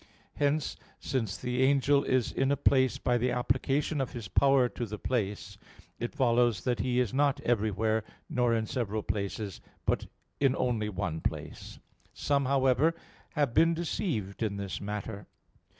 Hence, since the angel is in a place by the application of his power to the place, it follows that he is not everywhere, nor in several places, but in only one place. Some, however, have been deceived in this matter.